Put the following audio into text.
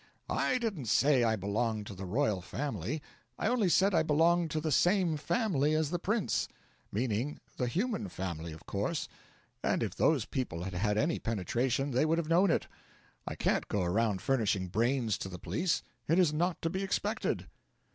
'I didn't say I belonged to the Royal Family; I only said I belonged to the same family as the Prince meaning the human family, of course; and if those people had had any penetration they would have known it. I can't go around furnishing brains to the police; it is not to be expected.'